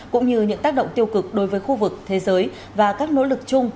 cũng như những tác động tiêu cực đối với khu vực thế giới và các nỗ lực chung